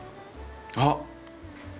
あっ！